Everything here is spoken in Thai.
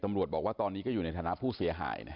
ตำรวจบอกว่าตอนนี้ก็อยู่ในฐานะผู้เสียหาย